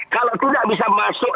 kalau tidak bisa masuk enam belas